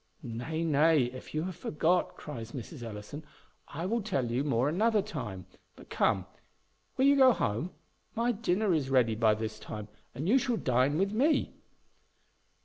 "Nay, nay, if you have forgot," cries Mrs. Ellison, "I will tell you more another time; but come, will you go home? my dinner is ready by this time, and you shall dine with me."